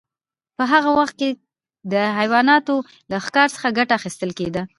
په هغه وخت کې د حیواناتو له ښکار څخه ګټه اخیستل کیده.